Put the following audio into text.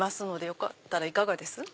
よかったらいかがです？